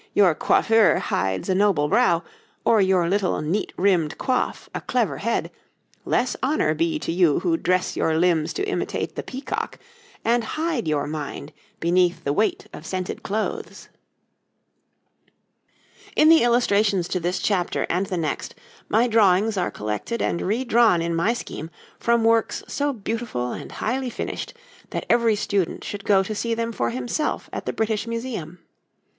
your coiffure hides a noble brow, or your little, neat rimmed coif a clever head, less honour be to you who dress your limbs to imitate the peacock, and hide your mind beneath the weight of scented clothes. [Illustration: SLEEVES] In the illustrations to this chapter and the next, my drawings are collected and redrawn in my scheme from works so beautiful and highly finished that every student should go to see them for himself at the British Museum.